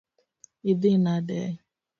Idhi nade?